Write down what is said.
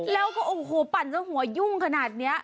แล้วก็ปั่นตัวหัวยุ่งขนาดเนี้ย